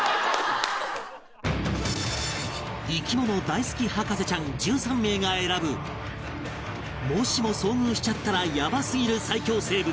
生き物大好き博士ちゃん１３名が選ぶもしも遭遇しちゃったらヤバすぎる最恐生物